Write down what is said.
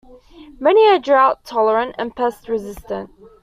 Many are drought tolerant and pest resistant.